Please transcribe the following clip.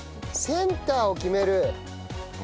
センターを決める。